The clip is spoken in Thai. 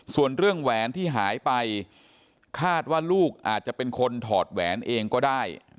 ส่วนเรื่องแหวนที่หายไปคาดว่าลูกอาจจะเป็นคนถอดแหวนเองก็ได้